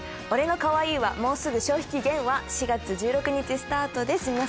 『俺の可愛いはもうすぐ消費期限！？』は４月１６日スタートです。